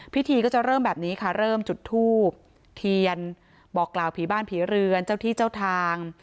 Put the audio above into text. พิธีก็จะเริ่มแบบนี้ค่ะเริ่มจุดทูบเทียนบอกกล่าวผีบ้านผีเรือนเจ้าที่เจ้าทาง